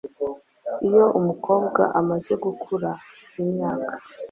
Iyo umukobwa amaze gukura imyanya